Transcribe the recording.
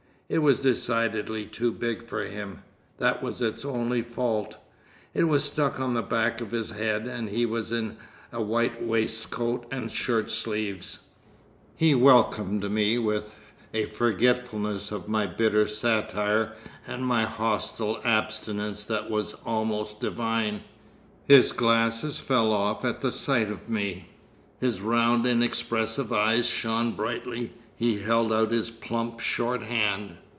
It was decidedly too big for him—that was its only fault. It was stuck on the back of his head, and he was in a white waistcoat and shirt sleeves. He welcomed me with a forgetfulness of my bitter satire and my hostile abstinence that was almost divine. His glasses fell off at the sight of me. His round inexpressive eyes shone brightly. He held out his plump short hand.